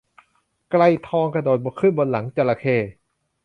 ไกรทองกระโดดขึ้นบนหลังจระเข้